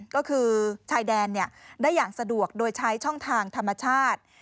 ก็คือชายแดนได้อย่างสะดวกโดยใช้ช่องทางธรรมชาติ